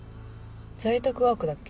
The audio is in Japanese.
在宅ワークだっけ？